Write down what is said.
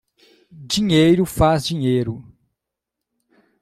Dinheiro faz dinheiro